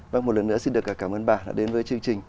vâng một lần nữa xin được cảm ơn bà đã đến với chương trình